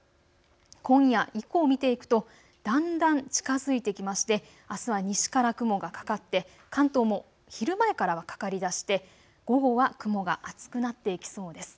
今夜以降、見ていくと、だんだん近づいてきましてあすは西から雲がかかって関東も昼前からはかかりだして午後は雲が厚くなっていきそうです。